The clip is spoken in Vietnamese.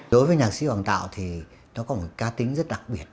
đối với nhạc sĩ hoàng tạo thì nó có một ca tính rất đặc biệt